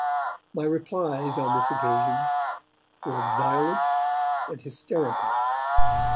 My replies on this occasion were violent and hysterical.